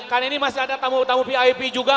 karena ini masih ada tamu tamu vip juga